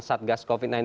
selamat malam pak alex